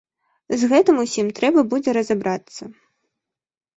З гэтым усім трэба будзе разабрацца.